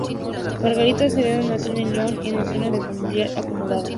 Margarita Alexandre nació en León, en el seno de una familia acomodada.